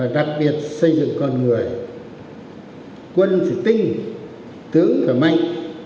đặc biệt xây dựng con người quân tử tinh tướng và mạnh